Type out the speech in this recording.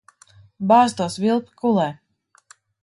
Bāz to svilpi kulē.